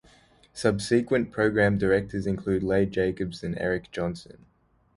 Subsequent program directors include Leigh Jacobs and Eric Johnson.